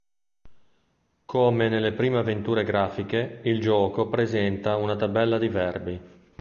Come nelle prime avventure grafiche, il gioco presenta una tabella di verbi.